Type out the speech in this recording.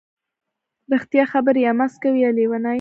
ـ رښتیا خبرې یا مست کوي یا لیوني.